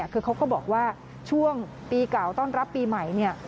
คือเขาก็บอกว่าช่วงปีเก่าต้อนรับปีใหม่